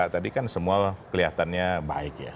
tadi kan semua kelihatannya baik ya